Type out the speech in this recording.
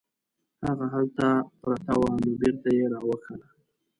هغه هلته پرته وه نو بیرته یې راوکښله.